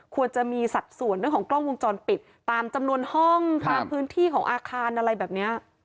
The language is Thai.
ควรจะมีสัดส่วนเรื่องของกล้องวงจรปิดตามจำนวนห้องตามพื้นที่ของอาคารอะไรแบบนี้